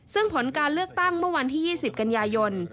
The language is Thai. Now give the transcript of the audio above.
ซึ่งผลการเลือกตั้งเมื่อวันที่๒๐กันยายน